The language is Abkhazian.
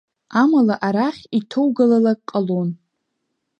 Амала арахь иҭоугалалак ҟалон.